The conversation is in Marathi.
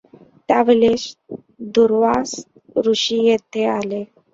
त्यावेळेस दुर्वास ऋषी तेथे आले.